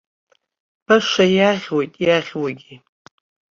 Баша иаӷьуеит иаӷьуагьы.